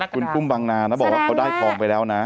คุณกุ้งบางนานะบอกว่าเขาได้ทองไปแล้วนะ